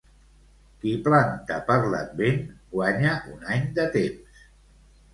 Qui planta per l'advent, guanya un any de temps.